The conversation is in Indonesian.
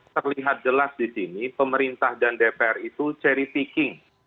terlihat jelas di sini pemerintah dan dpr itu cherry taking